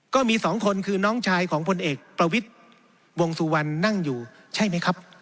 ก็มีสองคนคือน้องชายของพลเอกประวิทย์วงสุวรรณนั่งอยู่ใช่ไหมครับ